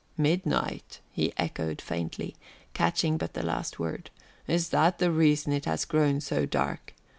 "Midnight!" he echoed faintly, catching but the last word. "Is that the reason it has grown so dark?